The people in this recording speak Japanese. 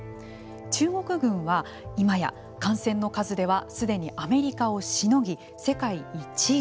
中国軍は、今や艦船の数ではすでにアメリカをしのぎ世界１位。